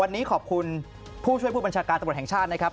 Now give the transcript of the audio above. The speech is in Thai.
วันนี้ขอบคุณผู้ช่วยผู้บัญชาการตำรวจแห่งชาตินะครับ